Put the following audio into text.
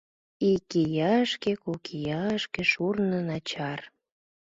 Икияшге, кокияшге шурно начар.